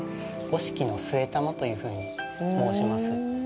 五色の座玉というふうに申します。